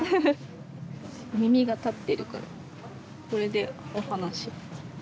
耳が立ってるからこれでお話。